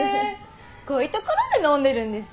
こういうところで飲んでるんですね。